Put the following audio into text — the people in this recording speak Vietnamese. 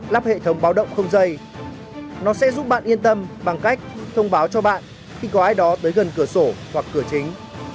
lắp hệ thống báo động không dây nó sẽ giúp bạn yên tâm bằng cách thông báo cho bạn khi có ai đó tới gần cửa sổ hoặc cửa chính